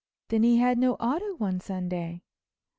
"Then he had no auto on Sunday."